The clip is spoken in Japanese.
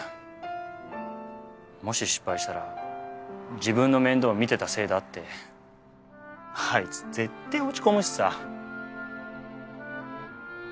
もし失敗したら自分の面倒を見てたせいだってあいつぜってえ落ち込むしさ。